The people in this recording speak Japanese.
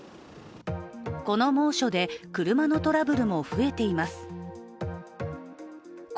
この猛暑で車のトラブルも増えています。